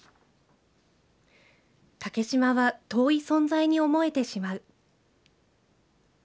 竹島は遠い存在に思えてしまう。